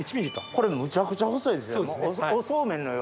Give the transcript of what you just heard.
これむちゃくちゃ細いですよ。